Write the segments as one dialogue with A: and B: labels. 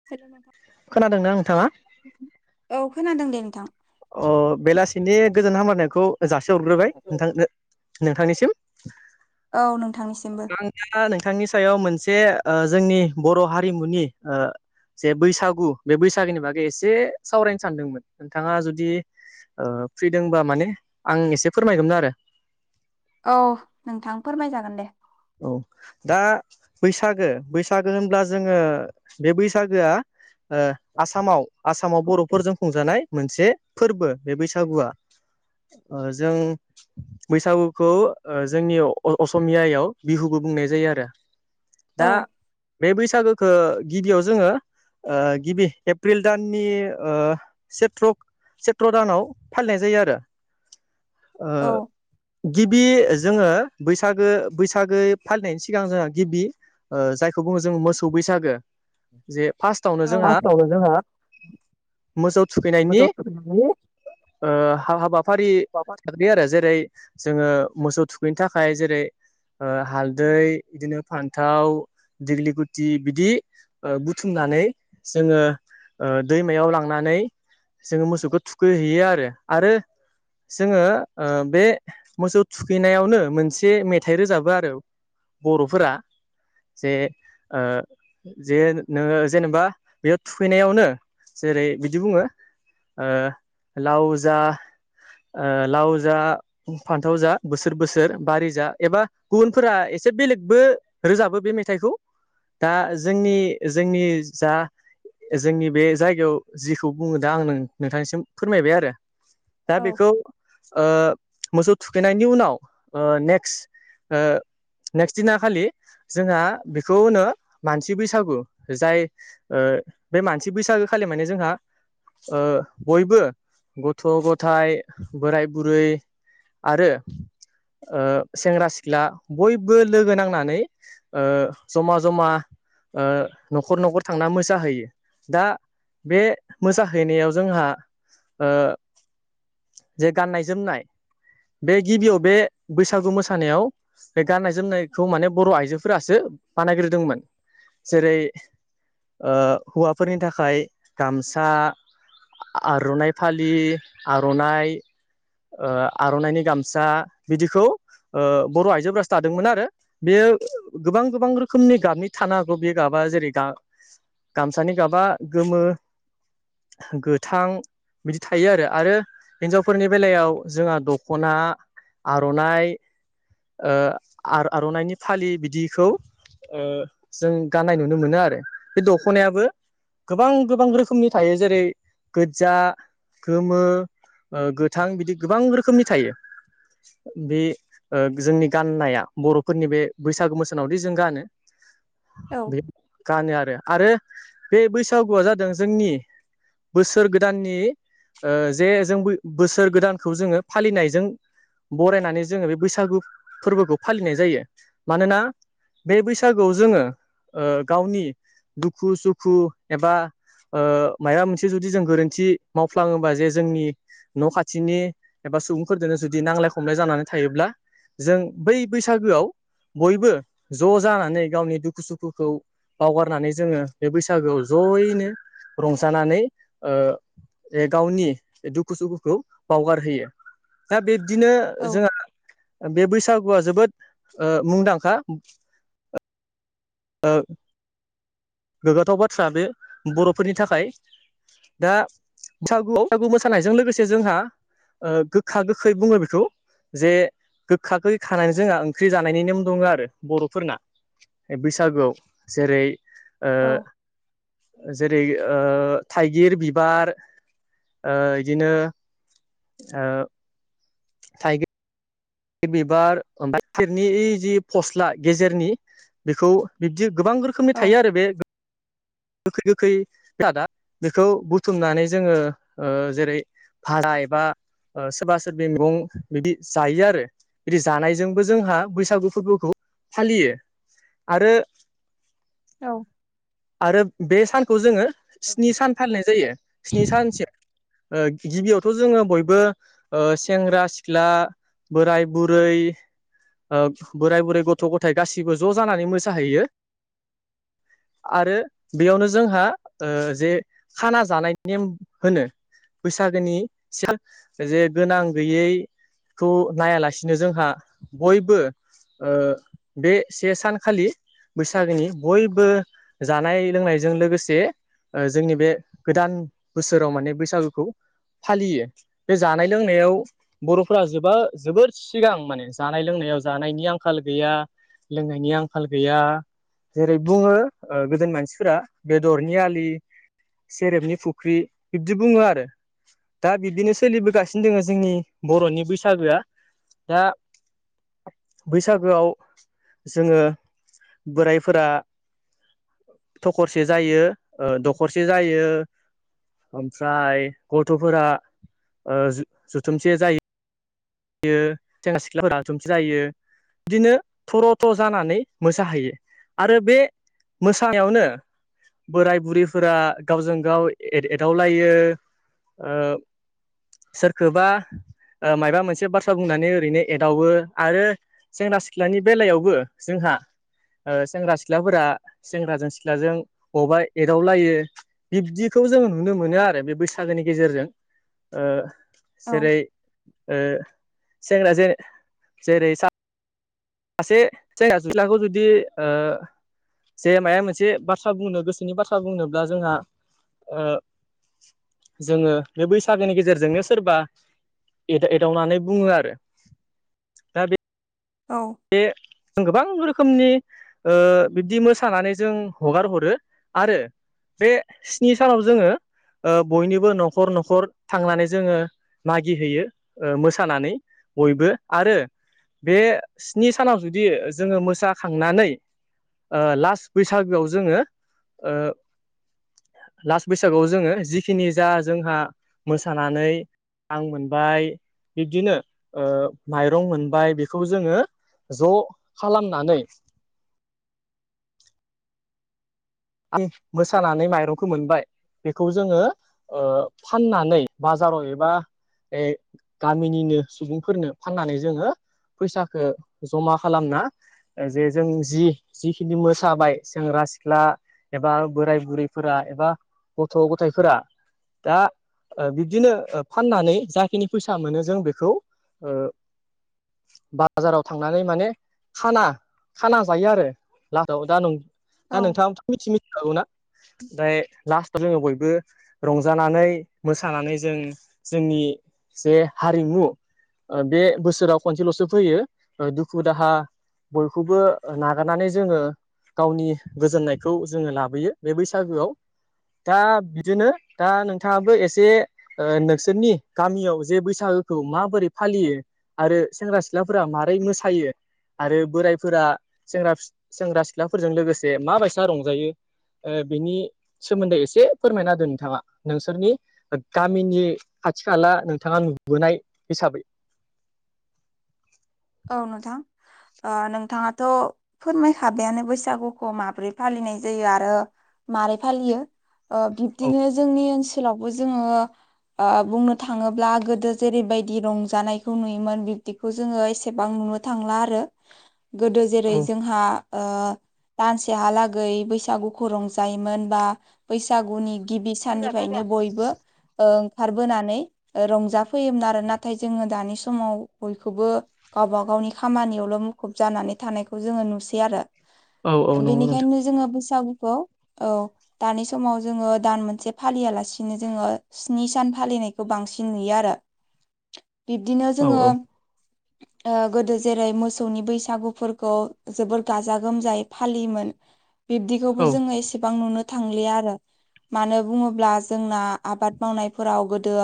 A: [unintelligible]
B: खोनादोंना नोंथाङा?
A: औ खोनादों दे नोंथां
B: अ बेलासिनि गोजोन हामब्लायनायखौ जासि हरग्रोबाय नोंथांनो नोंथांनिसिम
A: औ नोंथांनिसिमबो
B: नोंथाङा नोंथांनि सायाव मोनसे ओ जोंनि बर' हारिमुनि ओ जे बैसागु बे बैसागुनि बागै एसे सावरायनो सानदोंमोन नोंथाङा जुदि जुदि ओ फ्रिदोंबा माने आं एसे फोरमायगौमोन आरो।
A: औ नोंथां फोरमायजागोन दे ‌।
B: औ दा बैसागो बैसागो होनब्ला जोङो बे बैसागोआ ओ आसामाव आसामाव बर'फोरजों खुंजानाय मोनसे फोरबो बे बैसागुआ। ओ जों बैसागुखौ ओ जोंनि असमियायाव बिहुबो बुंनाय जायो आरो
A: औ
B: दा बे बैसागोखौ गिबियाव जोङो ओ गिबि एप्रिल दाननि ओ सेथ्रक सेथ्र' दानाव फालिनाय जायो आरो। ओ
A: औ
B: गिबि जोङो बैसागो बैसागो फालिनायनि सिगां जोंहा गिबि ओ जायखौ बुङो जों मोसौ बैसागो जे फार्स्टआवनो
A: औ
B: जोंहा
A: फार्स्टआवनो जोंहा
B: मोजौ थुखैनायनि
A: मोसौ थुखैनायनि
B: ओ हाबाफारि
A: माबा
B: आरो जेरै जोङो मोसौ थुखैनो थाखाय जेरै ओ हालदै बिदिनो फान्थाव दिग्लि गुथि बिदि ओ बुथुमनानै जोङो ओ दैमायाव लांनानै जोङो मोसौखौ थुखैहैयो आरो आरो जोङो ओ बे मोसौ थुखैनायावनो मोनसे मेथ थाइ रोजाबो आरो बर'फोरा जे ओ जे नोङो जेनेबा बेयाव थुखैनायावनो जेरै बिदि बुङो ओ लावजा ओ लाव जा फान्थाव जा बोसोर बोसोर बारि जा एबा गुबुनफोरा एसे बेलेगबो रोजाबो बे मेथाइखौ दा जोंनि जोंनि जा जोंनि बे जायगायाव जिखौ बुङो दा आं नोंथांनिसिम फोरमायबाय आरो। दा
A: औ
B: बेखौ ओ मोसौ थुखैनायनि उनाव ओ नेक्स्ट ओ नेक्स्ट दिना खालि जोंहा बेखौ होनो मानसि बैसागु जाय ओ बे मानसि बैसागो खालि माने जोंहा ओ बयबो गथ' गथाय बोराय बुरै आरो ओ सेंग्रा सिख्ला बयबो लोगो नांनानै ओ जमा जमा ओ न'खर न'खर थांना मोसाहैयो दा बे मोसाहैनायाव जोंहा ओ जे गाननाय जोमनाय बे गिबियाव बे बैसागु मोसा सानायाव बे गाननाय जोमनायखौ माने बर' आइजोफोरासो बानायग्रोदोंमोन। जेरै ओ हौवाफोरनि थाखाय गामसा आर'नाइ फालि आर'नाइ ओ आर'नाइनि गामसा बिदिखौ ओ बर' आइजोफोरासो थादोंमोन आरो बेयो गोबां गोबां रोखोमनि गाबनि थानो हागौ बे गाबा जेरै गा गामसानि गाबा गोमो गोथां। बिदि थायो आरो आरो हिनजावफोरनि बेलायाव जोंहा दख'ना आर'नाइ ओ आर आर'नाइनि फालि बिदिखौ जों गाननाय नुनो मोनो आरो बे दख'नायाबो गोबां गोबां रोखोमनि थायो जेरै गोजजा गोमो गोथां बिदि गोबां रोखोमनि थायो। बे ओ जोंनि गाननाया बर'फोरनि बे बैसागु बोसोनावदि जों गानो।
A: औ
B: बे गानो आरो आरो बे बैसागुआ जादों जोंनि बोसोर गोदाननि ओ जे जों बोसोर गोदानखौ जोङो फालिनायजों बरायनानै जोङो बे बोसोर बैसागु फोरबोखौ फालिनाय जायो मानोना बे बैसागुआव जोङो ओ गावनि दुखु सुखु एबा ओ माबा मोनसे जुदि जों गोरोन्थि मावफ्लाङोबा जे जोंनि न' खाथिनि एबा सुबुंफोरजों जुदि नांलाय खमलाय जानानै थायोब्ला जों बै बैसागोआव बयबो ज' जानानै गावनि दुखु सुखुखौ। बावगारनानै जोङो बे बैसागोआव जयैनो रंजानानै ओ जे गावनि दुखु सुखुखौ बावगारहोयो। दा बिब्दिनो
A: औ
B: जोंहा बे बैसागुआ जोबोद ओ मुंदांखा। ओ। गोग्गाथाव बाथ्रा बे बर'फोरनि थाखाय। दा बैसागु बैसागु मोसानायजों लोगोसे जोंहा ओ गोखा गोखै बुङो बेखौ। जे गोखा गै खानानै जोंहा ओंख्रि जानायनि नेम दङ आरो बर'फोरना। बैसागुआव जेरै ओ
A: औ
B: जेरै थाइगिर बिबार ओ बिदिनो ओ थायगिर। बिबार ओमफाय गाइखेरनिइ जि फस्ला गेजेरनि बेखौ बिब्दि गोबां रोखोम रोखोमनि थायो
A: औ
B: आरो बे। गोखै गोखै जादा बेखौ बुथुमनानै जोङो ओ जेरै भारा एबा ओ सोरबा सोरबि मैगं बिदि जायो आरो। बिदि जानायजोंबो जोंहा बैसागु फोरबोखौ फालियो आरो
A: औ।
B: आरो बे सानखौ जोङो स्नि सान फालिनाय जायो स्नि सानसिम। ओ गिबियावथ' जोङो बयबो सेंग्रा सिख्ला बोराय बुरै। ओ बोराय बुरै गथ' गथाय गासिबो ज' जानानै मोसा होयो। आरो बेयावनो जोंहा ओ जे खाना जानायनि नेम होनो। बैसागोनि सिं जे गोनां गैयै खौ नायालासिनो जोंहा बयबो ओ बे से सानखालि बैसागोनि बयबो जानाय लोंनायजों लोगोसे ओ जोंनि बे गोदान बोसोराव माने बैसागुखौ फालियो। बे जानाय लोंनायाव बर'फोरा जोबा जोबोद सिगां माने जानाय लोंनायाव जानायनि आंखाल गैया। लोंनायनि आंखाल गैया जेरै बुङो ओ गोदोनि मानसिफोरा बेदरनि आलि। सेरेबनि फुख्रि बिब्दि बुङो आरो। दा बिब्दिनो सोलिबोगासिनो दङ जोंनि बर'नि बैसागोआ दा बैसागोआव जोङो बोरायफोरा थखरसे जायो दखरसे जायो। ओमफ्राय गथ'फोरा ओ जुथुमसे जायो। यो सेंग्रा सिख्लाफोरा जुथुमसे जायो। बिदिनो थर' थर' जानानै मोसाहैयो आरो बे मोसानायावनो। बोराइ बुरिफोरा गावजों गाव एदावलायो ओ सोरखौबा ओ मायबा मोन से बाथ्रा बुंनानै ओरैनो एदावो आरो सेंग्रा सिख्लानि बेलायावबो जोंहा। ओ सेंग्रा सिख्लाफोरा सेंग्राजों सिख्लाजों बबावबा एदावलायो बिब्दिखौ जोङो नुनो मोनो आरो बे बैसागोनि गेजेरजों ओ
A: औ
B: जेरै ओ सेंग्रा जे जेरै सा सासे सेंग्रा-सिख्लाखौ जुदि ओ जे माया मोनसे बाथ्रा बुंनो गोसोनि बाथ्रा बुंनोब्ला जोंहा ओ जोङो बे बैसागोनि गेजेरजोंनो सोरबा एदा-एदावनानै बुङो आरो
A: औ
B: बे जों गोबां रोखोमनि ओ बिब्दि मोसानानै जों हगार हरो आरो बे स्नि सानाव जोङो ओ बयनिबो न'खर न'खर थांनानै जोङो मागिहैयो ओ मोसानानै बयबो आरो बे स्नि सानाव जुदि जोङो मोसाखांनानै ओ लास्ट बैसागोआव जोङो ओ लास बैसागुआव जोङो जिखिनि जा जोंहा मोसानानै रां मोनबाय बिब्दिनो ओ माइरं मोनबाय बेखौ जोङो ज' खालामनानै आं मोसानानै माइरंखौ मोनबाय बेखौ जोङो ओ फाननानै बाजाराव एबा ए गामिनिनो सुबुंफोरनो फाननानै जोङो फैसाखो जमा खालामना जे जों जि जिखिनि मोसाबाय जों सेंग्रा-सिख्ला एबा बोराय बुरैफोरा एबा गथ' गथायाइफोरा दा ओ बिब्दिनो फाननानै जाखिनि फैसा मोनो जों बेखौ ओ बाजाराव थांनानै माने खाना खाना जायो आरो लासथाव दा नों
A: औ
B: नोंथाङाबोथ' मिथि मिथिखागौना ओमफ्राय लास्टआव जोङो बयबो रंजानानै-मोसानानै जों जोंनि जे हारिमु ओ बे बोसोराव खनसेल'सो फैयो ओ दुखु-दाहा बयखौबो नागारनानै जोङो गावनि गोजोननाय खौ जोङो लाबोयो बे बैसागोआव दा बिदिनो दा नोंथाङाबो एसे ओ नोंसोरनि गामियाव जे बैसागोखौ माबोरै फालियो आरो सेंग्रा-सिख्लाफोरा मारै मोसायो आरो बोराइफोरा सेंग्रा-सेंग्रा-सिख्लाफोरजों लोगोसे माबायसा रंजायो ओ बिनि सोमोन्दै एसे फोरमायना होदो नोंथाङा नोंसोरनि गामिनि खाथि-खाला नोंथाङा नुबोनाय हिसाबै
A: औ नोंथां अ नोंथाङाथ' फोरमायखाबायानो बैसागुखौ माब्रै फालिनाय जायो आरो मारै फालियो ओ
B: औ
A: बिब्दिनो जोंनि ओनसोलावबो जोङो ओ बुंनो थाङोब्ला गोदो जेरैबायदि रंजानायखौ नुयोमोन बिब्दिखौ जोङो एसे एसेबां नुनो थांला आरो गोदो
B: औ
A: जेरै जोंहा ओ दानसेहालागै बैसागुखौ रंजायोमोन बा बैसागुनि गिबि साननिफ्रायनो बयबो ओंखार बोनानै रंजाफैयोमोन आरो नाथाय जोङो दानि समाव बयखौबो गावबा गावनि खामानियावल' मुखुब जानानै थानायखौ जोङो नुसै आरो
B: औ औ नंगौ नोंथां
A: बेनिखायनो जोङो बैसागुखौ औ दानि समाव जोङो दान मोनसे फालियालासिनो जोङो स्नि सान फालिनायखौ बांसिन नुयो आरो बिब्दिनो
B: औ औ
A: जोङो ओ गोदो जेरै मोसौनि बैसागुफोरखौ जोबोर गाजा गोमजायै फालियोमोन बिब्दिखौबो
B: औ
A: जोङो एसेबां नुनो थांलिया आरो मानो बुङोब्ला जोंना आबाद मावनायफोराव गोदो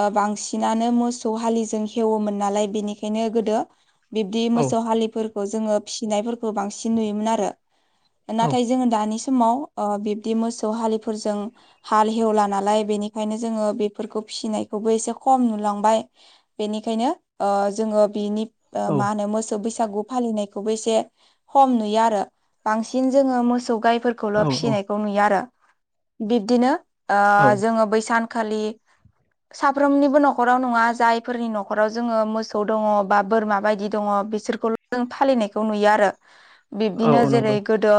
A: ओ बांसिनानो मोसौ हालिजों हेवोमोन नालाय बेनिखा बेखायनो गोदो बिब्दि
B: औ
A: मोसौ हालिफोरखौ जोङो फिसिनायफोरखौ खौ बांसिन नुयोमोन आरो नाथाय जोङो दानि समाव ओ बिब्दि मोसौ हालिफोरजों हाल हेवला नालाय बेनिखायनो जोङो बेफोरखौ फिसिनायखौबो एसे खम नुलांबाय बेनिखायनो ओ जोङो बिनि
B: औ
A: मा होनो मोसौ बैसागु फालिनाय खोबो एसे खम नुयो आरो बांसगन जोङो मोसौ गायखौ फोरखौल फिसिनायखौ नुयो आरो बिबदिनो ओ
B: औ
A: जोङो बैसागु खालि साफ्रोमनिबो न'खराव नङा जायफोरनि न'खराव जोङो मोसौ मोसौ दङ बा बोरमा बायदि दङ बिसोरखौ जों फालिनायखौ नुयो आरो
B: औ
A: बिब्दिनो
B: औ
A: जेरै
B: नंगौ
A: गोदो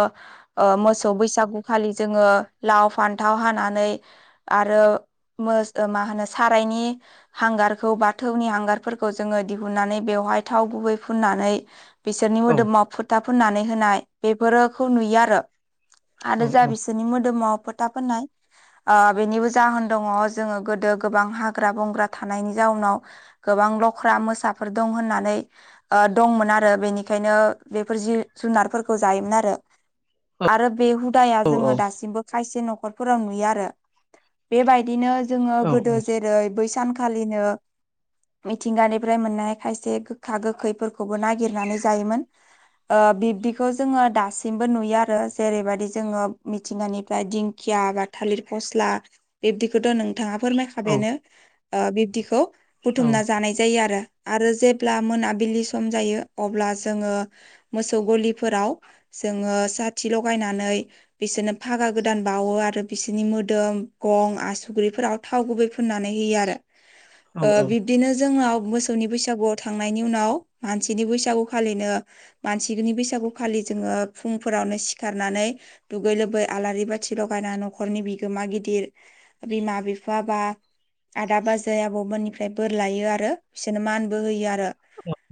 A: ओ मोसौ बैसागुखालि जोङो लाव फान्थाव हानानै आरो मो मा होनो सारायनि हांगारखौ बाथौनि हांगारफोरखौ जोङो दिहुननानै बेवहाय थाव गुबै फुननानै बिसोरनि
B: औ
A: मोदोमाव फु खोथा फोननानै होनाय बेफोरोखौ नुयो आरो
B: औ
A: आरो जा बिसोरनि मोदोमाव था फोनाय ओ बेनिबो जाहोन दङ जोङो गोदो गोबां हाग्रा बंग्रा थानायनि जाउनाव गोबां लख्रा मोसाफोर दं होननानै ओ दंमोन आरो बेनिखायनो बेफोर जिब जुनारफोरखौ जायोमोन आरो आरो बे हुदाया जोङो दासिमबो खायसे न'खरफोराव नुयो आरो बेबायदिनो जोङो
B: औ
A: गोदो
B: औ
A: जेरै बैसानखालिनो मिथिंगानिफ्राय मोननाय खायसे गोखा गोखैफोरखौबो नागिरनानै जायोमोन ओ बिब्दिखौ जोङो दासिमबो नुयो आरो जेरैबायदि जोङो मिथिंगानिफ्राय दिं खिया बा थालिर फस्ला बिबदिखौथ' नोंथाङा फोरमाय
B: औ
A: खाबायानो ओ बिब्दिखौ
B: औ
A: बुथुमना जा जानाय जायो आरो आरो जेब्ला मोनाबिलि सम जायो अब्ला जोङो मोसौ गलिफोराव जोङो साथि लगायनानै बिसोरनो फागा गोदान बावो आरो बिसोरनि मोदोम गं आसुग्रिफोराव थाव गुबै फुननानै होयो आरो
B: [inaudible]
A: ओ बिब्दिनो जोंनाव मोसौनि बैसागुआव थांनायनि उनाव मानसिनि बैसागुखालिनो मानसिनि बैसागु फालि जोङो फुंफोरावनो सिखारनानै दुगै लोबै आलारि बाथि लगायना न'खरनि बिगोमा गिदिर बिमा बिफा बा आदा बाजै आब'मोननिफ्राय बोर लायो आरो बिसोरनो मानबो होयो आरो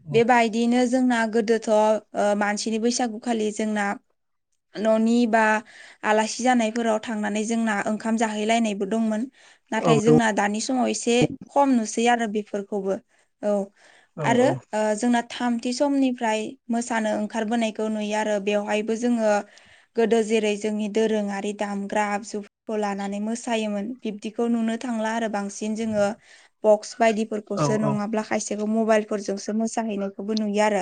B: औ
A: बेबायदिनो जोंना गोदोथ' ओ मानसिनि बैसागुखालि जोंना न'नि बा आलासि जानायफोराव थांनानै जोंना ओंखाम जाहैलायनायबो दंमोन
B: औ
A: नाथाय
B: दं
A: जोंना दानि समाव एसे खम नुसै आरो बेफोरखौबो औ
B: औ
A: आरो ओ जोंना थामथि समनिफ्राय मोसानो ओंखारबोनायखौ नुयो आरो बेवहायबो जोङो गोदो जेरै जोंनि दोरोङारि दामग्रा आगजु लानानै मोसायोमोन बिब्दिखौ नुनो थांला आरो बांसिन जोङो बक्स
B: औ
A: बायदिफोरखौसो
B: औ
A: नङाब्ला खायसेखौ मबाइलफोरजोंसो मोसाहैनायखौबो नुयो आरो।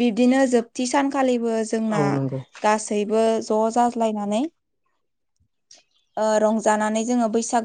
A: बिब्दिनो जोबथि सानखालिबो
B: औ
A: जोंना
B: नंगौ
A: गासै गासैबो ज' जाज्लायनानै रंजानानै जोङो बैसागु